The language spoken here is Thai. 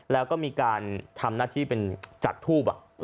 แล้วก็มีการทำหน้าที่เป็นจัดทูบ